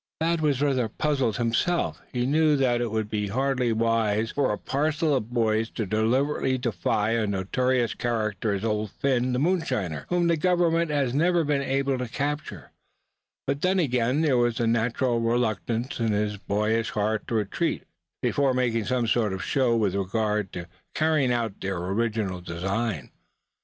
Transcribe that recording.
Thad was rather puzzled himself. He knew that it would be hardly wise for a parcel of boys to deliberately defy such a notorious character as Old Phin the moonshiner, whom the Government had never been able to capture; but then again there was a natural reluctance in his boyish heart to retreat before making some sort of show with regard to carrying out their original design.